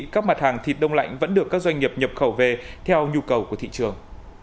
các mặt hàng thịt đông lạnh vẫn được các doanh nghiệp nhập khẩu về theo nhu cầu của thị trường